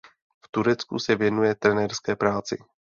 V Turecku se věnuje trenérské práci.